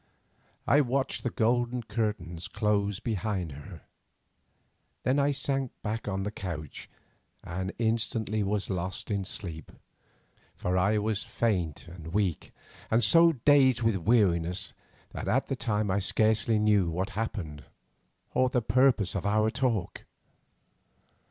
I watched the golden curtains close behind her; then I sank back upon the couch and instantly was lost in sleep, for I was faint and weak, and so dazed with weariness, that at the time I scarcely knew what had happened, or the purpose of our talk.